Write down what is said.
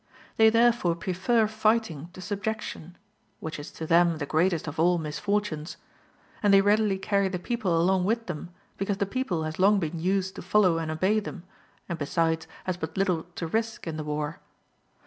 They therefore prefer fighting to subjection, which is to them the greatest of all misfortunes; and they readily carry the people along with them because the people has long been used to follow and obey them, and besides has but little to risk in the war.